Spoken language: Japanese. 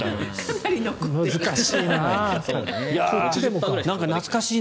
難しいな。